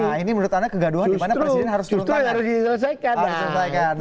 nah ini menurut anda kegaduhan dimana presiden harus diselesaikan